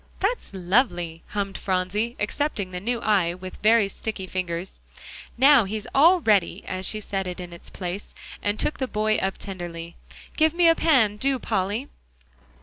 "That's lovely," hummed Phronsie, accepting the new eye with very sticky fingers. "Now, he's all ready," as she set it in its place, and took the boy up tenderly. "Give me a pan, do, Polly."